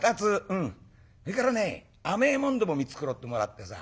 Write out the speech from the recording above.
それからね甘えもんでも見繕ってもらってさ。